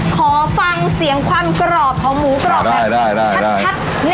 เหมือนแคปหมูอ่ะใช้คำนี้ได้ไหม